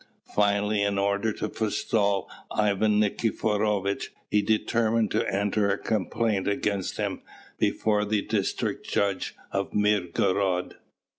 Finally, in order to forestall Ivan Nikiforovitch, he determined to enter a complaint against him before the district judge of Mirgorod.